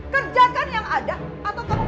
kerjakan yang ada atau kamu mau saya pecah